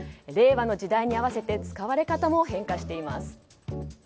令和の時代に合わせて使い方も変化しています。